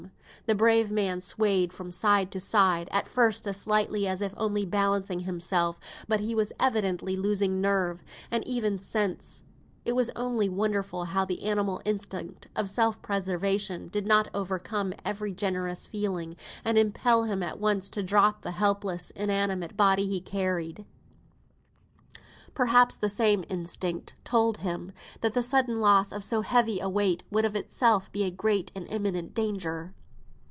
The brave man swayed from side to side, at first as slightly as if only balancing himself; but he was evidently losing nerve, and even sense: it was only wonderful how the animal instinct of self preservation did not overcome every generous feeling, and impel him at once to drop the helpless, inanimate body he carried; perhaps the same instinct told him, that the sudden loss of so heavy a weight would of itself be a great and imminent danger.